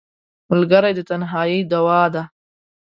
ملګری د تنهایۍ دواء ده